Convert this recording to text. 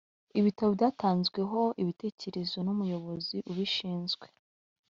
Ibitabo byatanzweho ibitekerezo numuyobozi ubishinzwe